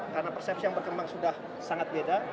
karena persepsi yang berkembang sudah sangat beda